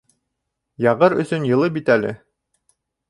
Яғыр өсөн йылы бит әле